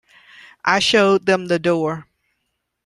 I showed them the door.